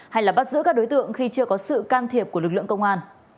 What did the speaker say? hay là bắt giữ các đối tượng khi chưa có sự can thiệp của lực lượng công an